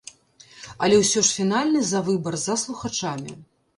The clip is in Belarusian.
Але ўсё ж фінальны за выбар за слухачамі.